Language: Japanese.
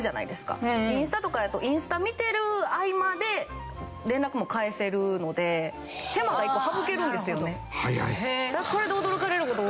インスタとかやとインスタ見てる合間で連絡も返せるのでだからこれで驚かれる事多いですね